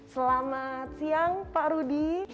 selamat siang pak rudy